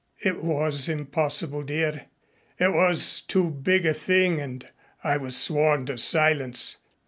"It was impossible, dear. It was too big a thing and I was sworn to silence.